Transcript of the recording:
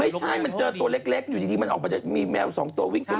ไม่ใช่มันเจอตัวเล็กอยู่ดีมันออกมาจะมีแมวสองตัววิ่งตัว